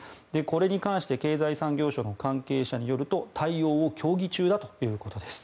これに関して経済産業省の関係者によると対応を協議中だということです。